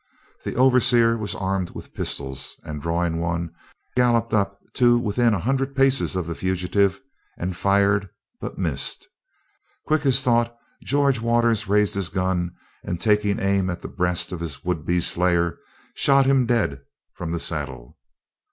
The overseer was armed with pistols and, drawing one, galloped up to within a hundred paces of the fugitive and fired, but missed. Quick as thought, George Waters raised his gun and, taking aim at the breast of his would be slayer, shot him dead from the saddle.